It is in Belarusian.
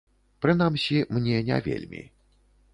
Прынамсі, мне не вельмі.